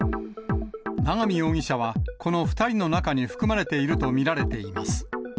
永見容疑者は、この２人の中に含まれていると見られています。